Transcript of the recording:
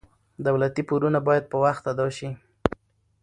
دولتي پورونه باید په وخت ادا شي.